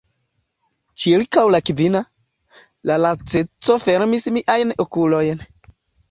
Ĉirkaŭ la kvina, la laceco fermis miajn okulojn.